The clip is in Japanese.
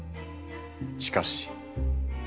しかし。